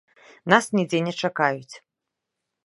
Нас нідзе не чакаюць.